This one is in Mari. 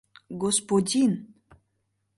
Господин!